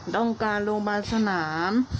ต้องการโรงพยาบาลสนาม